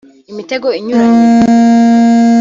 imitego inyuranye